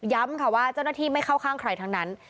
ค่ะว่าเจ้าหน้าที่ไม่เข้าข้างใครทั้งนั้น